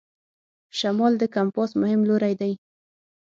شمال د کمپاس مهم لوری دی.